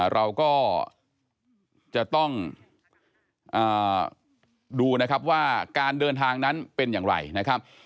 เราก็จะต้องดูนะครับว่าการเดินทางนั้นเป็นอย่างไรนะครับ